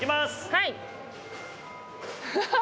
はい。